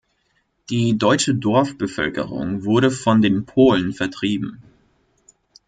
Die deutsche Dorfbevölkerung wurde von den Polen vertrieben.